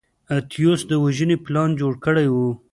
اتیوس د وژنې پلان جوړ کړی و.